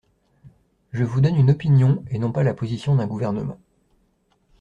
Je vous donne une opinion, et non pas la position d’un gouvernement.